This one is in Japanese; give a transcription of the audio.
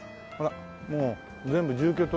もう全部住居棟住居棟。